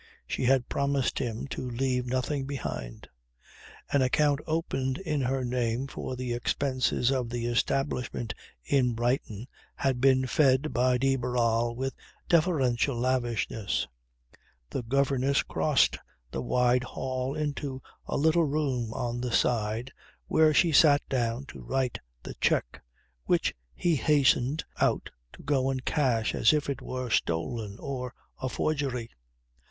She had promised him to leave nothing behind. An account opened in her name for the expenses of the establishment in Brighton, had been fed by de Barral with deferential lavishness. The governess crossed the wide hall into a little room at the side where she sat down to write the cheque, which he hastened out to go and cash as if it were stolen or a forgery.